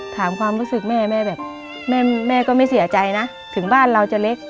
ความรู้สึกแม่แม่แบบแม่ก็ไม่เสียใจนะถึงบ้านเราจะเล็ก